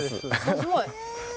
すごい。